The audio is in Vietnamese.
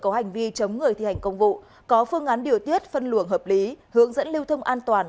có hành vi chống người thi hành công vụ có phương án điều tiết phân luồng hợp lý hướng dẫn lưu thông an toàn